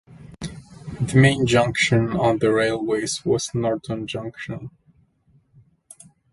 The main junction on the railways was Norton Junction.